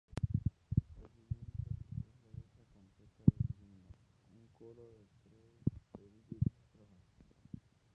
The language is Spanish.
La siguiente es la letra completa del himno, un coro y tres estrofas.